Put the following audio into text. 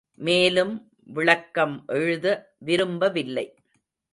மேலும் விளக்கம் எழுத விரும்பவில்லை!